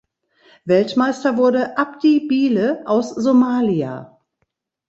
Weltmeister wurde Abdi Bile aus Somalia.